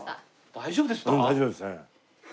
大丈夫です。